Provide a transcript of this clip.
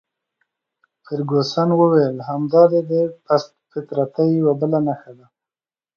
فرګوسن وویل: همدا دي د پست فطرتۍ یوه بله نښه ده.